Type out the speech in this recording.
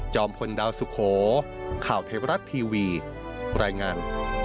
พลดาวสุโขข่าวเทวรัฐทีวีรายงาน